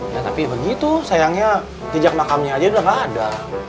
nah tapi begitu sayangnya jejak makamnya aja udah gak ada